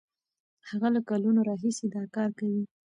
هغه له کلونو راهیسې دا کار کوي.